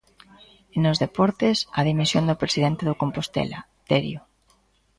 E nos deportes, a dimisión do presidente do Compostela, Terio.